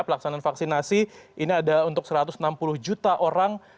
pelaksanaan vaksinasi ini ada untuk satu ratus enam puluh juta orang